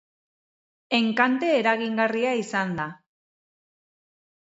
Enkante eragingarria izan da.